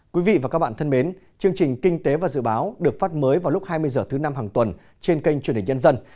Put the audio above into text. quý vị và các bạn thân mến chương trình kinh tế và dự báo được phát mới vào lúc hai mươi h thứ năm hàng tuần trên kênh truyền hình nhân dân